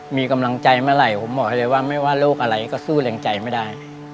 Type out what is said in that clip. มีกำลังใจเมื่อไหร่ผมบอกให้เลยว่าไม่ว่าโรคอะไรก็สู้แรงใจไม่ได้